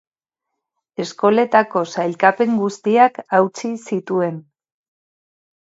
Eskoletako sailkapen guztiak hautsi zituen.